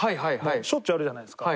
しょっちゅうあるじゃないですか。